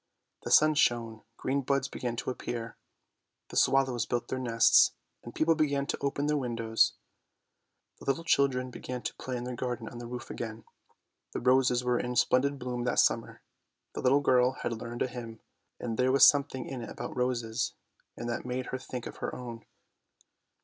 The sun shone, green buds began to appear, the swallows built their nests, and people began to open their windows. The little children began to play in their garden on the roof again. The roses were in splendid bloom that summer; the little girl had learnt a hymn, and there was something in it about roses, and that made her think of her own.